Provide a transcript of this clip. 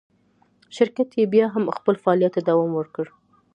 شرکت یې بیا هم خپل فعالیت ته دوام ورکړ.